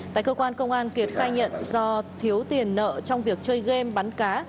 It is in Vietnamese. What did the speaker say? tại cơ quan công an kiệt khai nhận do thiếu tiền nợ trong việc chơi game bắn cá